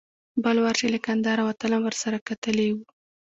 بل وار چې له کندهاره وتلم ورسره کتلي و.